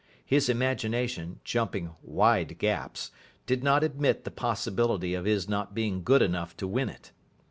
His imagination, jumping wide gaps, did not admit the possibility of his not being good enough to win it.